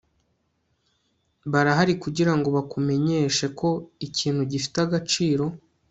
barahari kugirango bakumenyeshe ko ikintu gifite agaciro